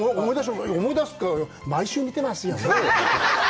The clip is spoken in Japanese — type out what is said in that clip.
思い出すというか、毎週、見てますよ！